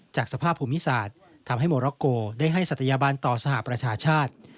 จากสภาพภูมิศาสตร์ทำให้โมร็อกโกได้ให้ศัตยาบันต่อสหประชาชาติ